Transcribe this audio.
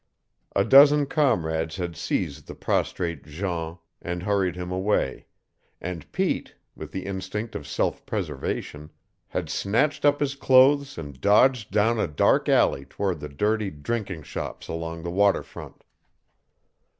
A dozen comrades had seized the prostrate Jean and hurried him away, and Pete, with the instinct of self preservation, had snatched up his clothes and dodged down a dark alley toward the dirty drinking shops along the water front.